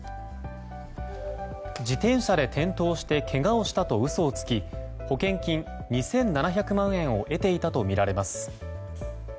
自転車で転倒してけがをしたと嘘をつき保険金２７００万円を得ていたとみられます。